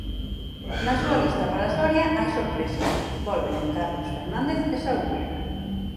Na súa lista para Soria hai sorpresas: volven Carlos Fernández e Saúl.